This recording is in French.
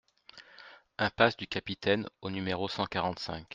Impasse du Capitaine au numéro cent quarante-cinq